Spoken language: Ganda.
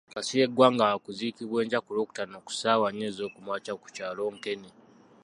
Kasirye Gwanga wakuziikwa enkya ku Lwokutaano ku ssaawa nnya ez'okumakya ku kyalo Nkene.